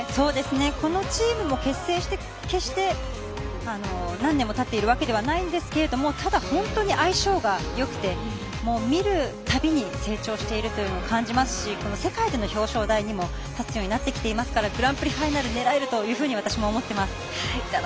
このチームも結成して決して何年もたっているわけではないんですけどただ本当に相性がよくて見るたびに成長をしているというのを感じますし世界での表彰台にも立つようになってきていますからグランプリファイナル狙えるというふうに私も思ってます。